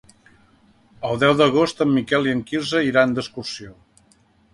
El deu d'agost en Miquel i en Quirze iran d'excursió.